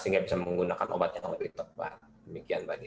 sehingga bisa menggunakan obat yang lebih tepat